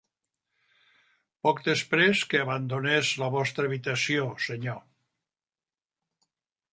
Poc després que abandonés la vostra habitació, senyor.